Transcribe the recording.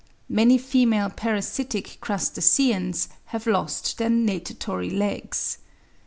Many female parasitic crustaceans have lost their natatory legs.